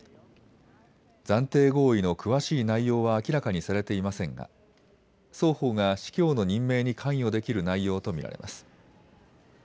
暫定合意の詳しい内容は明らかにされていませんが双方が司教の任命に関与できる内容と見られます。